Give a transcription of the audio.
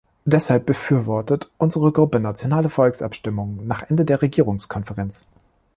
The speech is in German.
Deshalb befürwortet unsere Gruppe nationale Volksabstimmungen nach Ende der Regierungskonferenz.